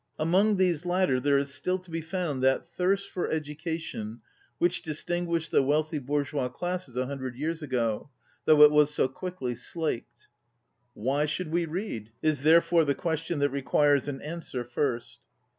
Among these latter there is still to be found that thirst for education which distinguished the wealthy bourgeois classes a hundred years ago, though it was so quickly slaked. Why should we read? is therefore the question that requires an answer first.